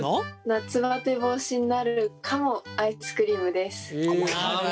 「夏バテ防止になるかも！？アイスクリーム」です。